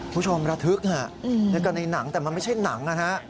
ผู้ชมระทึกฮะนึกออกในหนังแต่มันไม่ใช่หนังนะฮะ